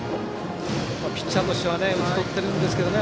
ピッチャーとしては打ち取っているんですけどね。